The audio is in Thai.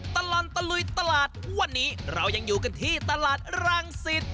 ตลอดตะลุยตลาดวันนี้เรายังอยู่กันที่ตลาดรังสิต